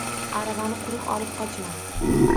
Aravani quruq olib qochma.